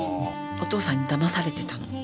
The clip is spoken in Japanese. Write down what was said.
お父さんにだまされてたの。